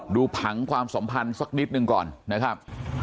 ผังความสัมพันธ์สักนิดหนึ่งก่อนนะครับ